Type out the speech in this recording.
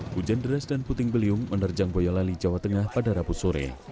hujan deras dan puting beliung menerjang boyolali jawa tengah pada rabu sore